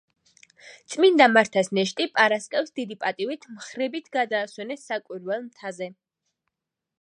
წმინდა მართას ნეშტი პარასკევს დიდი პატივით მხრებით გადაასვენეს საკვირველ მთაზე.